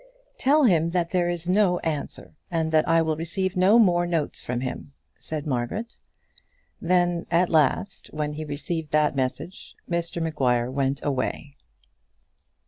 "Tell him that there is no answer, and that I will receive no more notes from him," said Margaret. Then, at last, when he received that message, Mr Maguire went away.